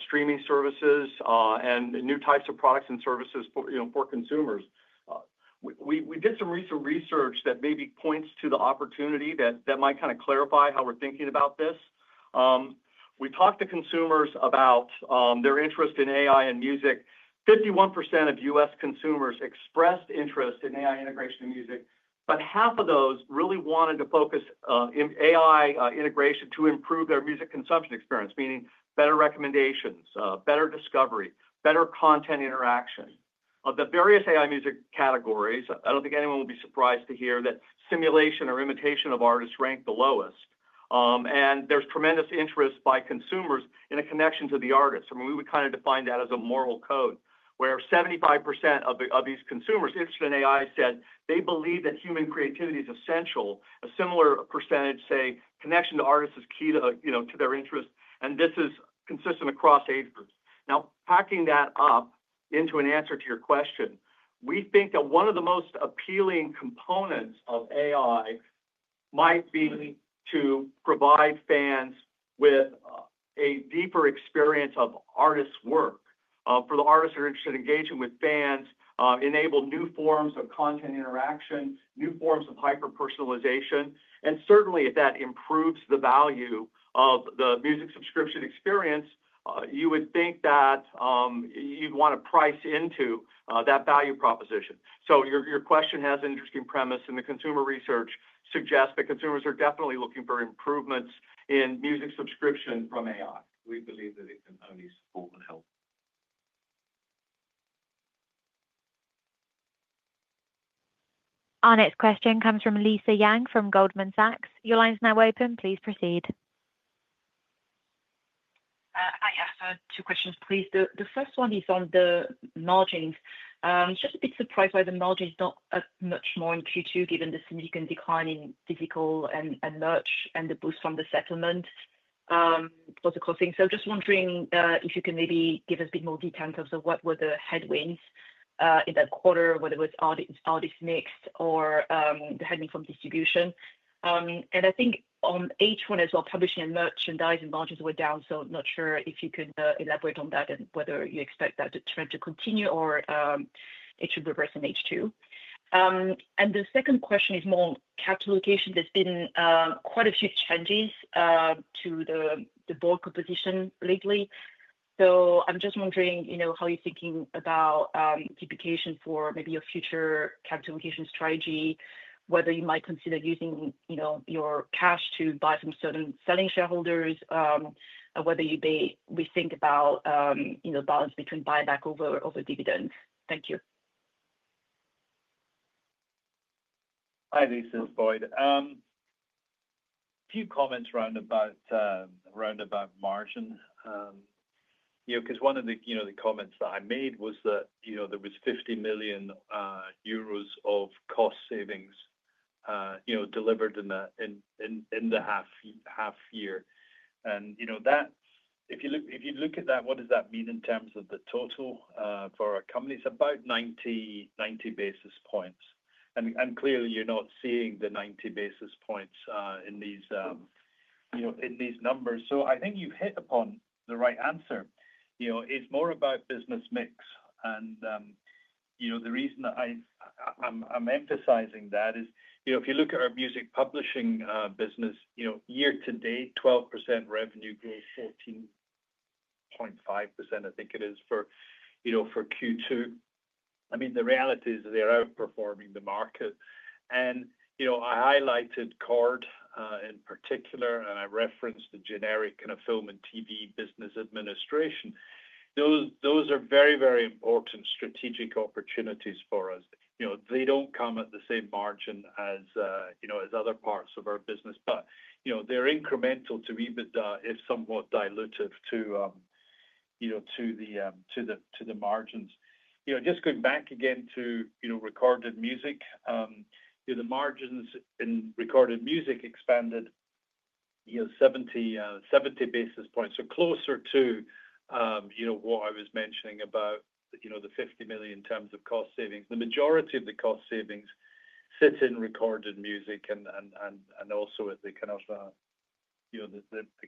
streaming services and new types of products and services for consumers. We did some recent research that maybe points to the opportunity that might kind of clarify how we're thinking about this. We talked to consumers about their interest in AI and music. 51% of U.S. consumers expressed interest in AI integration in music, but half of those really wanted to focus AI integration to improve their music consumption experience, meaning better recommendations, better discovery, better content interaction. Of the various AI music categories, I don't think anyone will be surprised to hear that simulation or imitation of artists ranked the lowest. There's tremendous interest by consumers in a connection to the artist. We would kind of define that as a moral code where 75% of these consumers interested in AI said they believe that human creativity is essential. A similar percentage say connection to artists is key to their interest. This is consistent across age groups. Now, packing that up into an answer to your question, we think that one of the most appealing components of AI might be to provide fans with a deeper experience of artist work. For the artists who are interested in engaging with fans, enable new forms of content interaction, new forms of hyper-personalization. Certainly, if that improves the value of the music subscription experience, you'd want to price into that value proposition. Your question has an interesting premise, and the consumer research suggests that consumers are definitely looking for improvements in music subscription from AI. We believe that it can only support and help. Our next question comes from Lisa Yang from Goldman Sachs. Your line's now open. Please proceed. Hi, I have two questions, please. The first one is on the margins. Just a bit surprised why the margins not much more in Q2 given the significant decline in physical and merch and the boost from the settlement. Was a crossing. Just wondering if you can maybe give us a bit more details of what were the headwinds in that quarter, whether it was artist mix or the headwind from distribution. I think on H1 as well, publishing and merchandising margins were down, so not sure if you could elaborate on that and whether you expect that trend to continue or if it should reverse in H2. The second question is more capital allocation. There's been quite a few changes to the board composition lately. I'm just wondering how you're thinking about duplication for maybe your future capital allocation strategy, whether you might consider using your cash to buy some certain selling shareholders, whether you may rethink about the balance between buyback over dividends. Thank you. Hi, this is Boyd. A few comments round about margin. One of the comments that I made was that there was €50 million of cost savings delivered in the half year. If you look at that, what does that mean in terms of the total for our company? It's about 90 basis points. Clearly, you're not seeing the 90 basis points in these numbers. I think you've hit upon the right answer. It's more about business mix. The reason that I'm emphasizing that is if you look at our music publishing business, year to date, 12% revenue growth, 14.5%, I think it is for Q2. The reality is they're outperforming the market. I highlighted Cord in particular, and I referenced the generic kind of film and TV business administration. Those are very, very important strategic opportunities for us. They don't come at the same margin as other parts of our business, but they're incremental to, even if somewhat dilutive to, the margins. Just going back again to recorded music, the margins in recorded music expanded 70 basis points, so closer to what I was mentioning about the €50 million in terms of cost savings. The majority of the cost savings sit in recorded music and also at the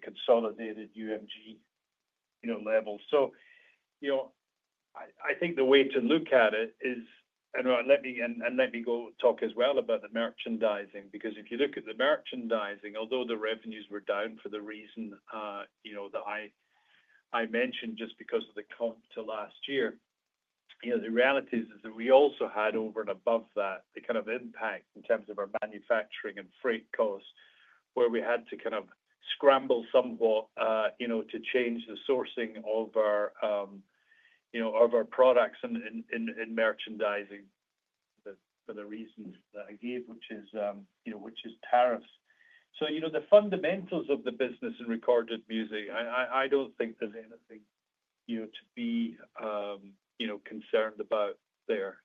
consolidated UMG level. I think the way to look at it is, and let me go talk as well about the merchandising, because if you look at the merchandising, although the revenues were down for the reason that I mentioned just because of the comp to last year, the reality is that we also had over and above that the kind of impact in terms of our manufacturing and freight costs, where we had to scramble somewhat to change the sourcing of our products and merchandising for the reasons that I gave, which is tariffs. The fundamentals of the business in recorded music, I don't think there's anything to be concerned about there.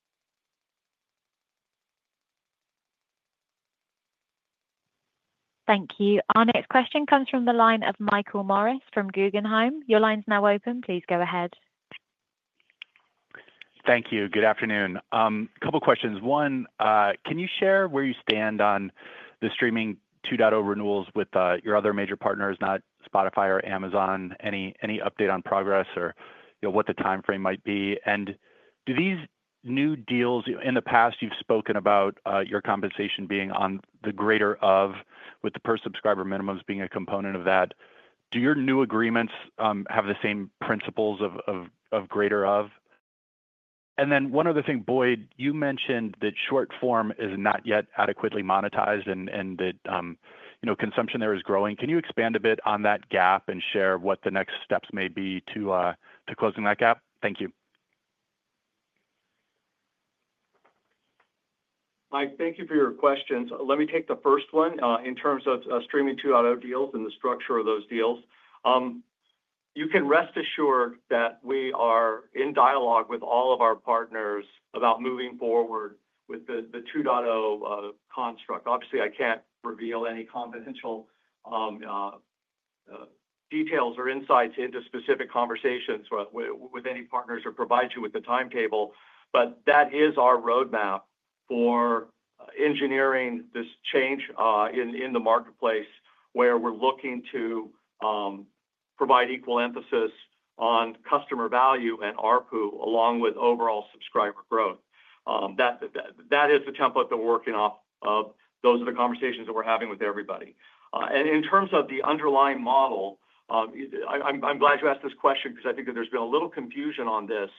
Thank you. Our next question comes from the line of Michael Morris from Guggenheim. Your line's now open. Please go ahead. Thank you. Good afternoon. A couple of questions. One, can you share where you stand on the Streaming 2.0 renewals with your other major partners, not Spotify or Amazon Music? Any update on progress or what the timeframe might be? Do these new deals, in the past, you've spoken about your compensation being on the greater of, with the per subscriber minimums being a component of that. Do your new agreements have the same principles of greater of? One other thing, Boyd, you mentioned that short-form is not yet adequately monetized and that consumption there is growing. Can you expand a bit on that gap and share what the next steps may be to closing that gap? Thank you. Mike, thank you for your questions. Let me take the first one in terms of Streaming 2.0 deals and the structure of those deals. You can rest assured that we are in dialogue with all of our partners about moving forward with the 2.0 construct. Obviously, I can't reveal any confidential details or insights into specific conversations with any partners or provide you with the timetable, but that is our roadmap for engineering this change in the marketplace where we're looking to provide equal emphasis on customer value and ARPU, along with overall subscriber growth. That is the template that we're working off of. Those are the conversations that we're having with everybody. In terms of the underlying model, I'm glad you asked this question because I think that there's been a little confusion on this.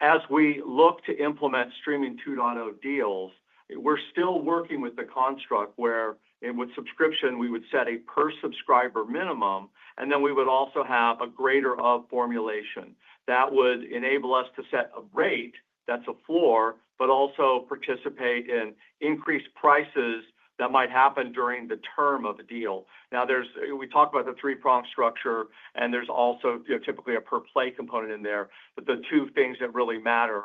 As we look to implement Streaming 2.0 deals, we're still working with the construct where with subscription, we would set a per subscriber minimum, and then we would also have a greater of formulation that would enable us to set a rate that's a floor, but also participate in increased prices that might happen during the term of a deal. We talked about the three-pronged structure, and there's also typically a per play component in there. The two things that really matter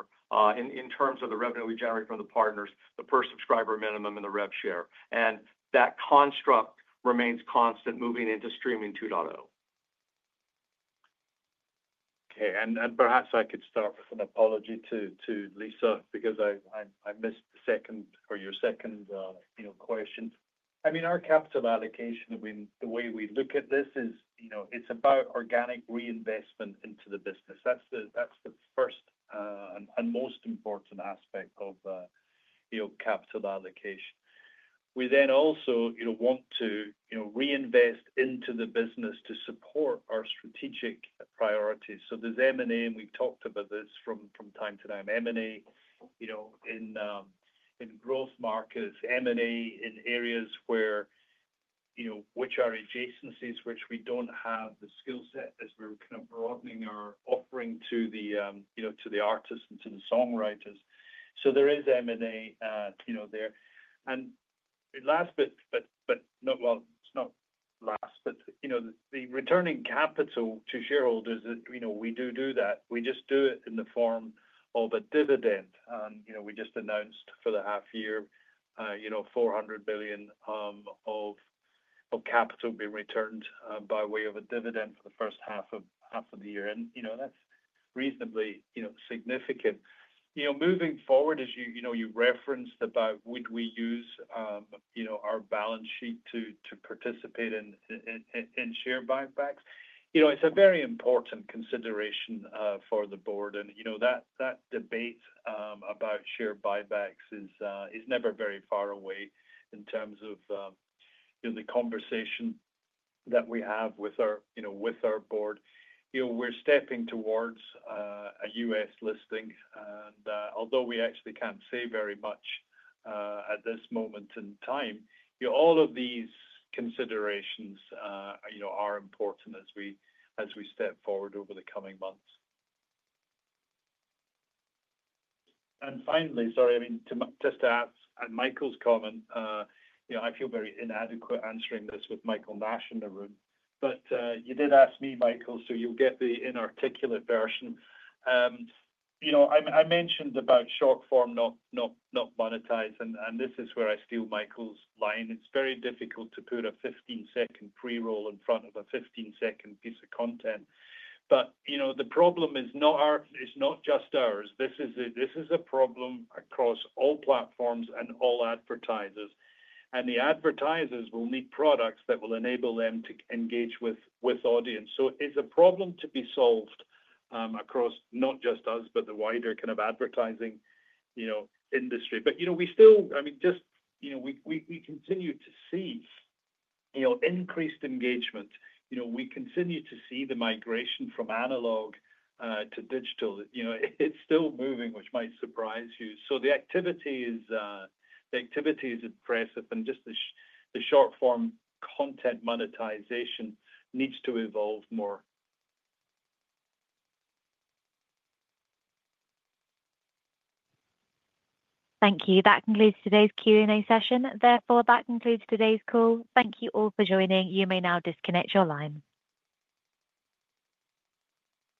in terms of the revenue we generate from the partners are the per subscriber minimum and the rev share. That construct remains constant moving into Streaming 2.0. Okay. Perhaps I could start with an apology to Lisa because I missed the second, or your second, question. I mean, our capital allocation, I mean, the way we look at this is it's about organic reinvestment into the business. That's the first and most important aspect of capital allocation. We then also want to reinvest into the business to support our strategic priorities. So there's M&A, and we've talked about this from time to time. M&A in growth markets, M&A in areas which are adjacencies which we don't have the skill set as we're kind of broadening our offering to the artists and to the songwriters. So there is M&A there. Last, returning capital to shareholders, we do do that. We just do it in the form of a dividend. We just announced for the half year $400 billion of capital being returned by way of a dividend for the first half of the year, and that's reasonably significant. Moving forward, as you referenced about would we use our balance sheet to participate in share buybacks, it's a very important consideration for the board. That debate about share buybacks is never very far away in terms of the conversation that we have with our board. We're stepping towards a U.S. listing, and although we actually can't say very much at this moment in time, all of these considerations are important as we step forward over the coming months. Finally, sorry, I mean, just to add to Michael's comment, I feel very inadequate answering this with Michael Nash in the room. You did ask me, Michael, so you'll get the inarticulate version. I mentioned about short-form not monetized, and this is where I steal Michael's line. It's very difficult to put a 15-second pre-roll in front of a 15-second piece of content. The problem is not just ours. This is a problem across all platforms and all advertisers, and the advertisers will need products that will enable them to engage with audience. It's a problem to be solved across not just us, but the wider kind of advertising industry. We continue to see increased engagement. We continue to see the migration from analog. Digital, you know, it's still moving, which might surprise you. The activity is impressive, and the short-form content monetization needs to evolve more. Thank you. That concludes today's Q&A session. Therefore, that concludes today's call. Thank you all for joining. You may now disconnect your line.